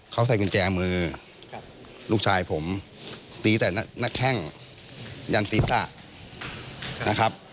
เขาใส่กุญแจมือครับลูกชายผมตีแต่นักแข้งยันติสตะนะครับ